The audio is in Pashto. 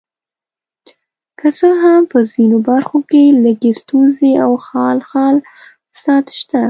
که څه هم په ځینو برخو کې لږې ستونزې او خال خال فساد شته.